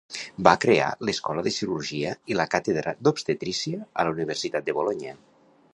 Va crear l'escola de cirurgia i la càtedra d'obstetrícia a la universitat de Bolonya.